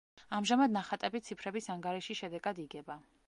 ამჟამად ნახატები ციფრების ანგარიშის შედეგად იგება.